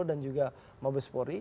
dan juga mabes polri